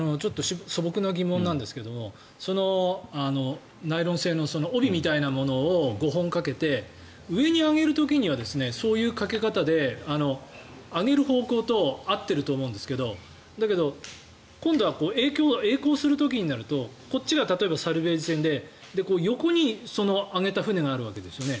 素朴な疑問なんですけどナイロン製の帯みたいなものを５本かけて上に上げる時にはそういうかけ方で上げる方向と合っていると思うんですがだけど、今度はえい航する時になるとこっちが例えばサルベージ船で横に上げた船があるわけですよね。